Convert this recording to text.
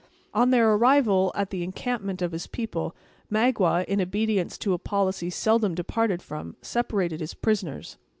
On their arrival at the encampment of his people, Magua, in obedience to a policy seldom departed from, separated his prisoners.